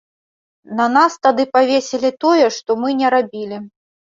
На нас тады павесілі тое, што мы не рабілі.